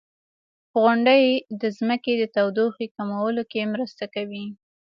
• غونډۍ د ځمکې د تودوخې کمولو کې مرسته کوي.